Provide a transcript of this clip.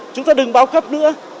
chúng ta đừng bao cấp nữa